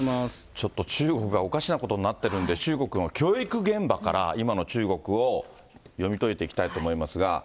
ちょっと中国がおかしなことになってるんで、中国の教育現場から今の中国を読み解いていきたいと思いますが。